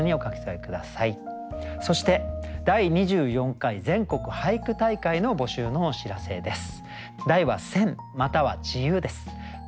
そして第２４回全国俳句大会の募集のお知らせです。